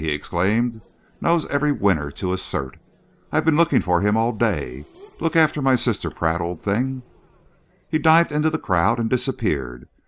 he exclaimed. "Knows every winner to a cert. I've been looking for him all day. Look after my sister, Pratt, old thing." He dived into the crowd and disappeared.